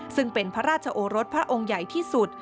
ซึ่งเป็นพระราชโอรสพระองค์ใหญ่ที่สุด